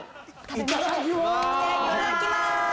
いただきまーす！